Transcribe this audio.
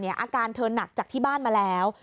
อาการเธอหนักจากที่บ้านมาแล้ว